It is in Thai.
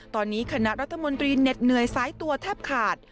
ตอนนี้คณะรัฐมนตรีเหน็ดเหนื่อยซ้ายตัวแทบขาด